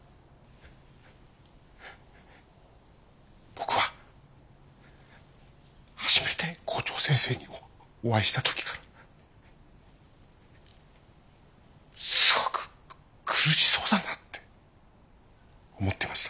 僕は初めて校長先生にお会いした時からすごく苦しそうだなって思ってました。